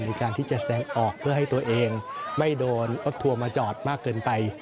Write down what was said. ในการที่จะแสดงออกเพื่อให้ตัวเองไม่โดนรถทัวร์มาจอดมากเกินไป